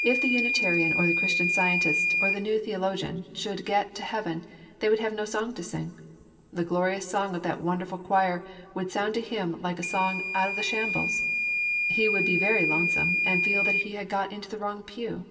If the Unitarian or the Christian Scientist or the New Theologian should get to heaven they would have no song to sing. The glorious song of that wondrous choir would sound to him like a song "of the shambles." He would be very lonesome and feel that he had got into the wrong pew.